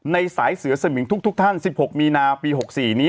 ในสายเสือสมิงทุกท่าน๑๖มีนาปี๖๔นี้